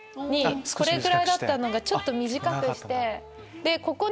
これぐらいだったのが短くして。